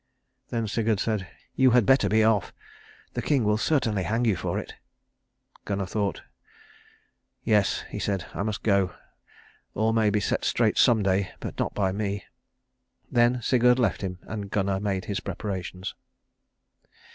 Then Sigurd said, "You had better be off. The king will certainly hang you for it." Gunnar thought. "Yes," he said, "I must go. All may be set straight some day; but not by me." Then Sigurd left him, and Gunnar made his preparations.